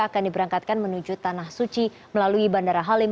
akan diberangkatkan menuju tanah suci melalui bandara halim